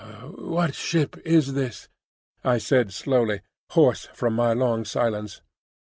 "What ship is this?" I said slowly, hoarse from my long silence.